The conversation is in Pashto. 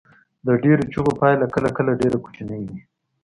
د ډیرو چیغو پایله کله کله ډیره کوچنۍ وي.